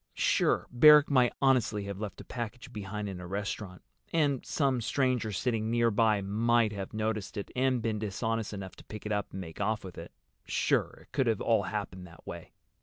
Sure, Barrack might honestly have left a package behind in a restaurant. And some stranger sitting near by might have noticed it, and been dishonest enough to pick it up and make off with it. Sure, it could all have happened that way.